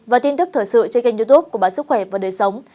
và tin tức thời sự trên kênh youtube của bản sức khỏe và đời sống